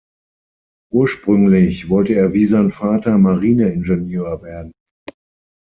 Ursprünglich wollte er wie sein Vater Marine-Ingenieur werden.